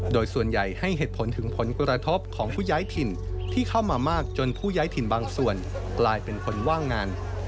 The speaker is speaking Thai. โดยส่วนใหญ่ให้เหตุผลถึงผลกระทบของผู้ย้ายถิ่นที่เข้ามามากจนผู้ย้ายถิ่นบางส่วนกลายเป็นคนว่างงาน